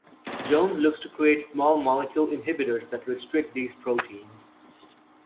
Jones looks to create small molecule inhibitors that restrict these proteins.